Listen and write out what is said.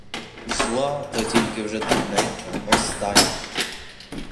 Ішла, та тільки вже дрібненька, остання.